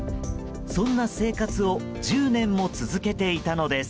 そんな生活を１０年も続けていたのです。